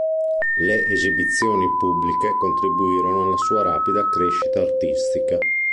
Le esibizioni pubbliche contribuirono alla sua rapida crescita artistica.